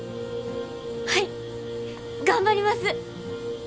はい頑張ります！